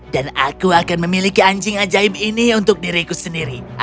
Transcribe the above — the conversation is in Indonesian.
dan aku akan memiliki anjing ajaib ini untuk diriku sendiri aku akan kembali